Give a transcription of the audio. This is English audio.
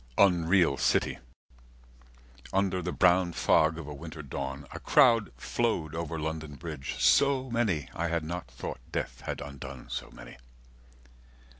Unreal City, 60 Under the brown fog of a winter dawn, A crowd flowed over London Bridge, so many, I had not thought death had undone so many.